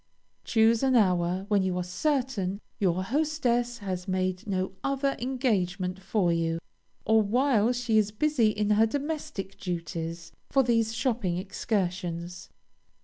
Choose an hour when you are certain your hostess has made no other engagement for you, or while she is busy in her domestic duties, for these shopping excursions.